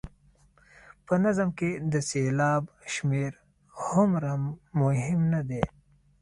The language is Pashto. په نظم کې د سېلاب شمېر هغومره مهم نه دی.